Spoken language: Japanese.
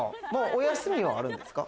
お休みはあるんですか？